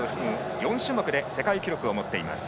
４種目で世界記録を持っています。